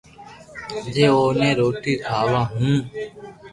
جو ا، ي روٽي کاو ھون